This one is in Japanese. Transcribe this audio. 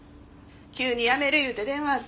急に辞める言うて電話あって。